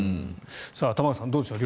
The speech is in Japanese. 玉川さんどうでしょう。